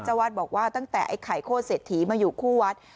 วัดบอกว่าตั้งแต่ไอ้ไข่โคตรเศรษฐีมาอยู่คู่วัด